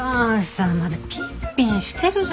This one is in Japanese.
まだピンピンしてるじゃないですか。